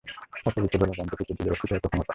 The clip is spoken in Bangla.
অপবিত্র জন্তুজাত পুত্রদিগের অস্থিতে এত ক্ষমতা!